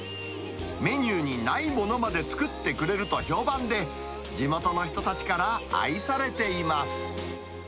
メニューにないものまで作ってくれると評判で、地元の人たちから愛されています。